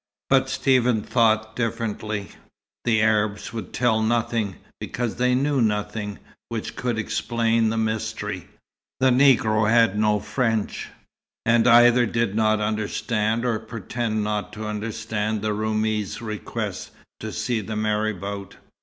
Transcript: But Stephen thought differently. The Arabs would tell nothing, because they knew nothing which could explain the mystery. The Negro had no French, and either did not understand or pretended not to understand the Roumi's request to see the marabout.